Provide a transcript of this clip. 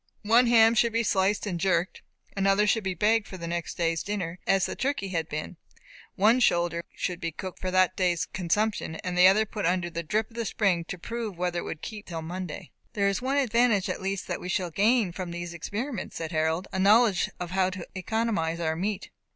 One ham should be sliced and jerked; another should be baked for the next day's dinner, as the turkey had been; one shoulder should be cooked for that day's consumption, and the other put under the drip of the spring to prove whether it would keep until Monday. "There is one advantage at least that we shall gain from these experiments," said Harold; "a knowledge how to economize our meat."